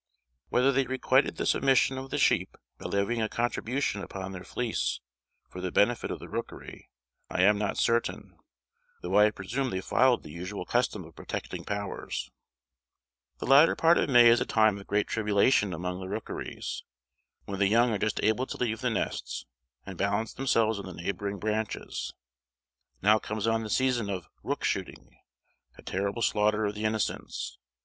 Whether they requited the submission of the sheep by levying a contribution upon their fleece for the benefit of the rookery, I am not certain, though I presume they followed the usual custom of protecting powers. [Illustration: Rooks on the Sheep] The latter part of May is a time of great tribulation among the rookeries, when the young are just able to leave the nests, and balance themselves on the neighbouring branches. Now comes on the season of "rook shooting:" a terrible slaughter of the innocents.